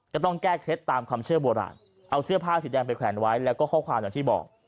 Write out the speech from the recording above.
ก็ต้องแก้เคล็ดตามความเชื่อโบราณเอาเสื้อผ้าสีแดงไปแขวนไว้แล้วก็ข้อความอย่างที่บอก